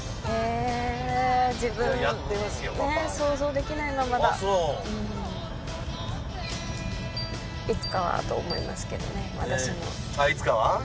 あっいつかは？